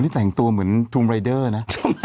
แต่งตัวเหมือนฟรูมไลเดิร์นะ